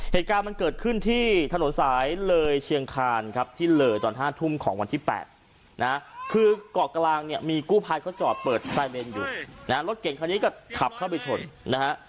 เหตุการณ์มันเกิดขึ้นที่ถนนสายเลยเชียงคานครับที่เลยตอน๕ทุ่มของวันที่๘นะคือเกาะกลางเนี่ยมีกู้ภัยเขาจอดเปิดไซเรนอยู่นะฮะรถเก่งคันนี้ก็ขับเข้าไปชนนะฮะ